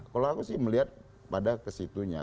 kalau aku sih melihat pada kesitunya